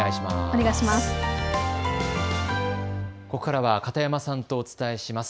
ここからは片山さんとお伝えします。